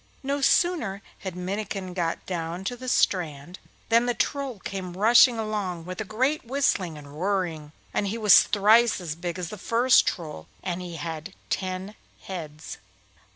No sooner had Minnikin got down to the strand than the Troll came rushing along with a great whistling and whirring, and he was twice as big as the first Troll, and he had ten heads.